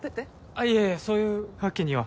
あっいえいえそういうわけには。